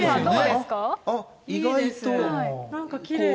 意外と。